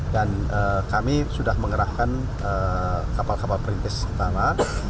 dan kami sudah mengerahkan kapal kapal perintis utama